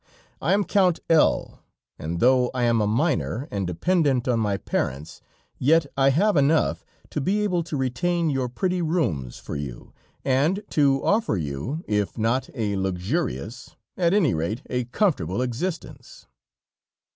I am Count L , and though I am a minor and dependent on my parents, yet I have enough to be able to retain your pretty rooms for you, and to offer you, if not a luxurious, at any rate a comfortable existence."